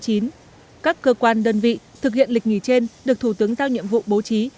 các cơ quan đơn vị thực hiện lịch nghỉ trên được thủ tướng giao nhiệm vụ bố trí